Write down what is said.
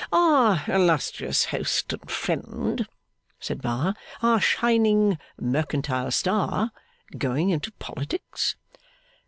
'Our illustrious host and friend,' said Bar; 'our shining mercantile star; going into politics?